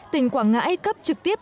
tỉnh quảng ngãi cấp trực tiếp